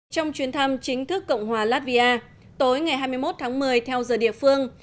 trong chuyến thăm chính thức cộng hòa latvia tối ngày hai mươi một tháng một mươi theo giờ địa phương